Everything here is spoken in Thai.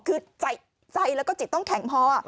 คือใจแล้วก็จิตต้องแข็งพอ